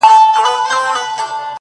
o غوږ سه راته؛